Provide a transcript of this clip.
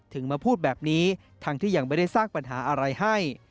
มาพูดแบบนี้ทั้งที่ยังไม่ได้สร้างปัญหาอะไรให้